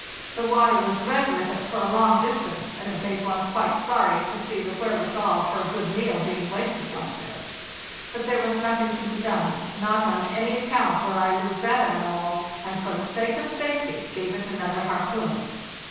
The water was red with it for a long distance, and it made one quite sorry to see the wherewithal for a good meal being wasted hike this. But there was nothing to be done; not on any account would I lose that animal, and for the sake of safety gave it another harpoon.